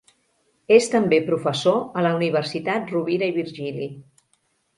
És també professor a la Universitat Rovira i Virgili.